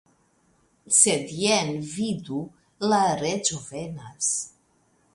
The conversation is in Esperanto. Sed, jen vidu ? la reĝo venas.